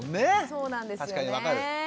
そうなんですよねえ。